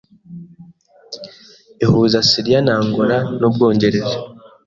ihuza Siriya na Angola nubwongereza